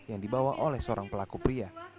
yang dibawa oleh seorang pelaku pria